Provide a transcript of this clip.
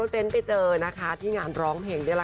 ไปเจอที่งานร้องเพลง